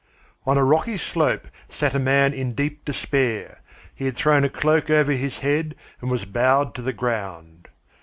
IV On a rocky slope sat a man in deep despair. He had thrown a cloak over his head and was bowed to the ground.